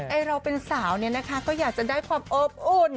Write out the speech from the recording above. เราเป็นสาวเนี่ยนะคะก็อยากจะได้ความอบอุ่น